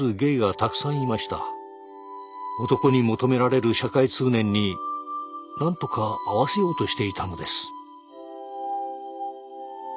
男に求められる社会通念になんとか合わせようとしていたのです。